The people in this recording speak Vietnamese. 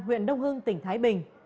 huyện đông hưng tỉnh thái bình